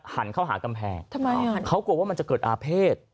หันเข้าหากำแพงทำไมเขากลัวว่ามันจะเกิดอาเภษ